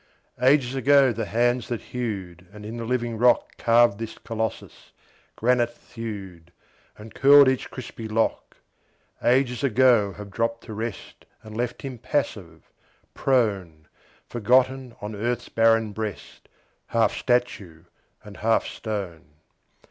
Ages ago the hands that hewed, And in the living rock Carved this Colossus, granite thewed And curled each crispy lock: Ages ago have dropped to rest And left him passive, prone, Forgotten on earth's barren breast, Half statue and half stone.